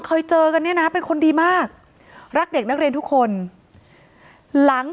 เคยเจอกันเนี่ยนะเป็นคนดีมากรักเด็กนักเรียนทุกคนหลัง